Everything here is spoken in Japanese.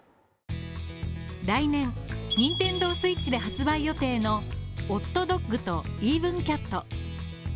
来年、ＮｉｎｔｅｎｄｏＳｗｉｔｃｈで発売予定の「オッドドッグとイーヴンキャット」